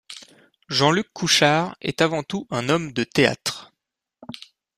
Jean-Luc Couchard est avant tout un homme de théâtre.